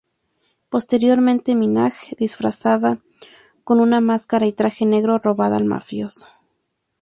Posteriormente, Minaj disfrazada con una máscara y traje negro roba al mafioso.